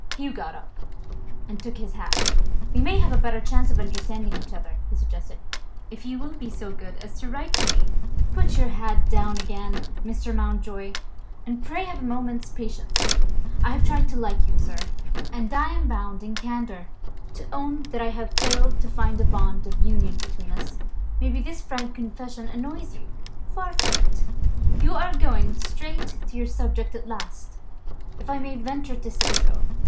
Hugh got up, and took his hat: "We may have a better chance of understanding each other," he suggested, "if you will be so good as to write to me." "Put your hat down again, Mr. Mountjoy, and pray have a moment's patience. I've tried to like you, sir and I'm bound in candour to own that I've failed to find a bond of union between us. Maybe, this frank confession annoys you." "Far from it! You are going straight to your subject at last, if I may venture to say so."